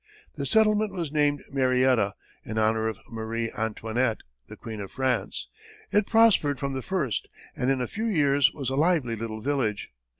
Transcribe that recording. The settlement was named Marietta, in honor of Marie Antoinette, the Queen of France; it prospered from the first, and in a few years was a lively little village.